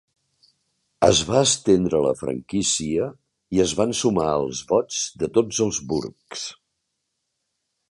Es va estendre la franquícia i es van sumar els vots de tots els burgs.